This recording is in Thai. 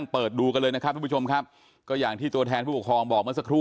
เปิดดูกันเลยนะครับทุกผู้ชมครับก็อย่างที่ตัวแทนผู้ปกครองบอกเมื่อสักครู่